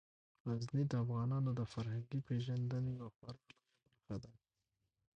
غزني د افغانانو د فرهنګي پیژندنې یوه خورا لویه برخه ده.